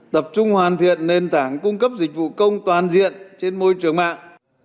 tập trung hoàn thiện nền tảng cung cấp dịch vụ công toàn diện trên môi trường mạng